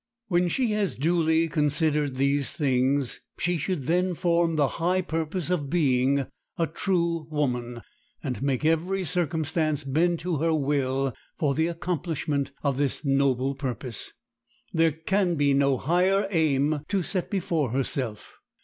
When she has duly considered these things, she should then form the high purpose of being a true woman, and make every circumstance bend to her will for the accomplishment of this noble purpose. There can be no higher aim to set before herself.